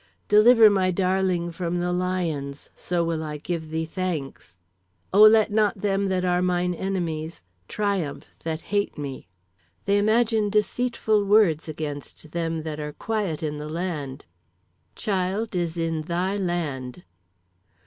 "Deliver my darling from the lions, so will I give thee thanks. "O let not them that are mine enemies triumph that hate me. "They imagine deceitful words against them that are quiet in the land. "Child is in thy land.